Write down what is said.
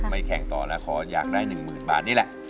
ไม่แข่งต่อแล้วขออยากได้หนึ่งหมื่นบาทนี่แหละ